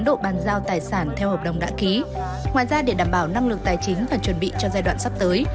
ngoài ra để đảm bảo năng lực tài chính và chuẩn bị cho giai đoạn sắp tới